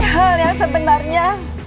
hal yang sebenarnya